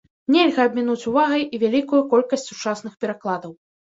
Нельга абмінуць увагай і вялікую колькасць сучасных перакладаў.